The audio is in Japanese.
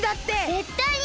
ぜったいに！